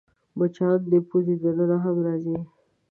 مچان د پوزې دننه هم راځي